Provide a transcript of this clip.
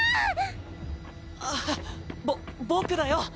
あっぼ僕だよ。